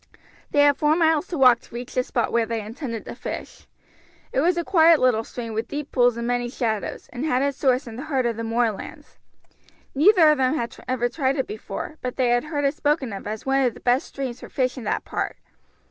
They had four miles to walk to reach the spot where they intended to fish. It was a quiet little stream with deep pools and many shadows, and had its source in the heart of the moorlands. Neither of them had ever tried it before, but they had heard it spoken of as one of the best streams for fish in that part.